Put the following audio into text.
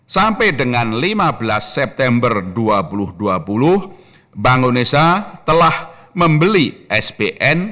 sampai dengan lima belas september dua ribu dua puluh bank indonesia telah membeli spn